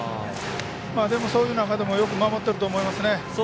でも、そういう中でもよく守っていると思いますね。